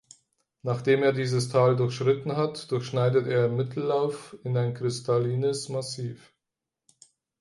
Nachdem er dieses Tal durchschritten hat durchschneidet er im Mittellauf in ein kristallines Massiv.